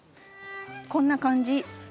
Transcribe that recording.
こんな感じ。